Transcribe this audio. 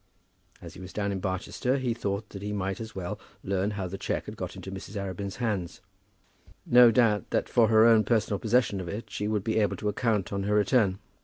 As he was down at Barchester, he thought that he might as well learn how the cheque had got into Mrs. Arabin's hands. No doubt that for her own personal possession of it she would be able to account on her return.